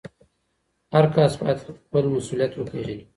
هر کس باید خپل مسؤلیت وپېژني.